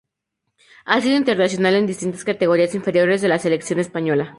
Ha sido internacional en distintas categorías inferiores de la selección española.